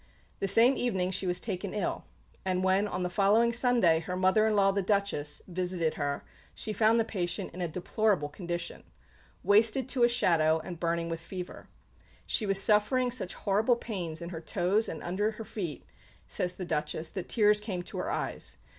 The same evening she was taken ill; and when, on the following Sunday, her mother in law, the Duchess, visited her, she found the patient in a deplorable condition wasted to a "shadow" and burning with fever. "She was suffering such horrible pains in her toes and under the feet," says the Duchess, "that tears came to her eyes.